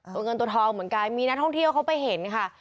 ตัวเงินตัวทองเหมือนกันมีนักท่องเที่ยวเขาไปเห็นค่ะ